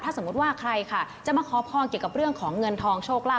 สมมุติว่าใครค่ะจะมาขอพรเกี่ยวกับเรื่องของเงินทองโชคลาภ